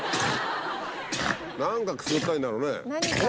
何かくすぐったいんだろうね。